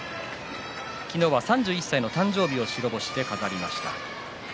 昨日は３１歳の誕生日を白星で飾りました。